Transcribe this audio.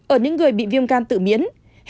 ở những người bị viêm gan tự miến